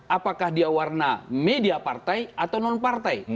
apakah dia warna media partai atau non partai